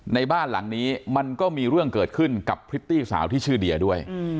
ในบ้านหลังนี้มันก็มีเรื่องเกิดขึ้นกับพริตตี้สาวที่ชื่อเดียด้วย